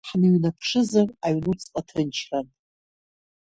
Ҳныҩнаԥшызар, аҩнуҵҟа ҭынчран.